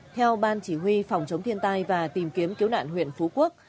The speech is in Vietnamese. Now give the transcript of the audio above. theo ban chỉ huy phòng chống thiên tai và tìm kiếm cứu nạn huyện phú quốc